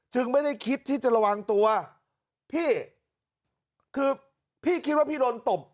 ไม่ได้คิดที่จะระวังตัวพี่คือพี่คิดว่าพี่โดนตบ